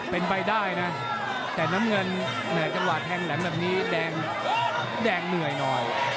เป็นไปได้นะแต่น้ำเงินในเวลาแทงหลังแบบนี้แดงแดงเหนื่อยหน่อย